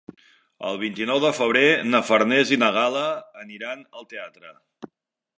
El vint-i-nou de febrer na Farners i na Gal·la aniran al teatre.